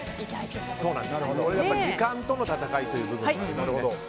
時間との戦いという部分もありますので。